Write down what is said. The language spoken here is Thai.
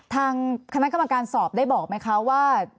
ทางคณะกรรมการสอบได้บอกไหมคะว่า